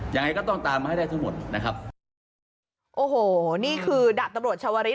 ยังไงก็ต้องตามมาให้ได้ทั้งหมดนะครับโอ้โหนี่คือดาบตำรวจชาวริส